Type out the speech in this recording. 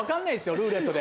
ルーレットで。